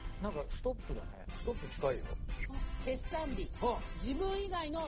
ストップ近いよ。